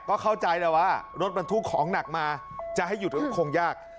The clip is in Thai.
ก็เข้าใจว่ารถถูกของหนักมาจะให้หยุดแรงที่ข่าว